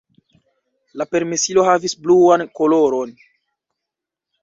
La permesilo havis bluan koloron.